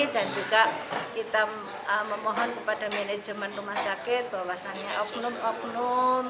dan juga kita memohon kepada manajemen rumah sakit bahwasannya oknum oknum